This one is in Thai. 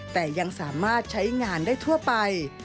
แต่ยังสามารถใช้งานได้ทั่วไป